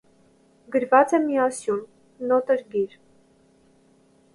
Գրված է միասյուն, նոտրգիր։